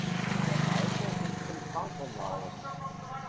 Der Malte ist im Krankenhaus.